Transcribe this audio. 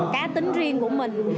cá tính riêng của mình